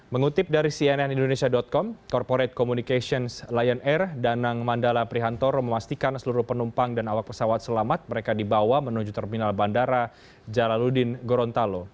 mengutip dari cnn indonesia com corporate communications lion air danang mandala prihantoro memastikan seluruh penumpang dan awak pesawat selamat mereka dibawa menuju terminal bandara jalaludin gorontalo